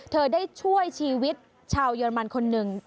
เธอได้ช่วยชีวิตชาวเยอรมันคนหนึ่ง